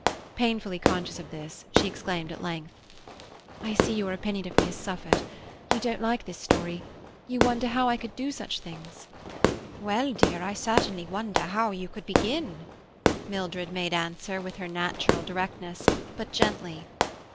Painfully conscious of this, she exclaimed at length,— "I see your opinion of me has suffered. You don't like this story. You wonder how I could do such things." "Well, dear, I certainly wonder how you could begin," Mildred made answer, with her natural directness, but gently.